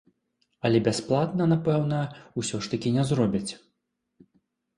Але бясплатна, напэўна, ўсё ж такі не зробяць?